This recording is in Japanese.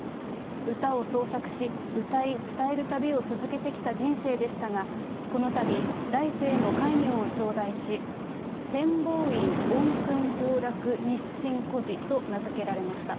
歌を創作し、歌い、伝える旅を続けてきた人生でしたが、このたび、来世への戒名を頂戴し、てんぼういんおんくんほうらくにっしんこじと名付けられました。